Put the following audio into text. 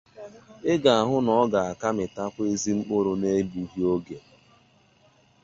ị ga-ahụ na ọ ga-aka mịtakwa ezi mkpụrụ n'egbughị oge.